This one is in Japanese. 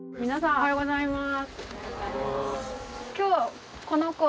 おはようございます。